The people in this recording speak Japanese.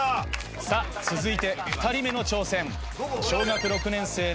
さぁ続いて２人目の挑戦。